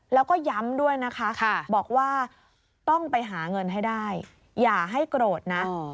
แล้วก็ย้ำด้วยนะคะบอกว่าต้องไปหาเงินให้ได้อย่าให้โกรธนะ